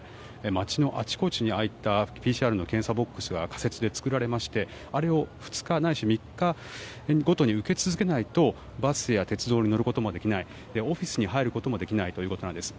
街のあちこちにああいったＰＣＲの検査ボックスが仮設で作られましてあれを２日、ないし３日ごとに受け続けないとバスや鉄道に乗ることもできないオフィスに入ることもできないということです。